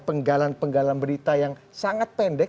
penggalan penggalan berita yang sangat pendek